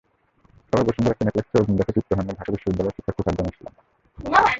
তবে বসুন্ধরা সিনেপ্লেক্সে অগ্নি দেখে তৃপ্ত হননি ঢাকা বিশ্ববিদ্যালয়ের শিক্ষার্থী ফারজানা ইসলাম।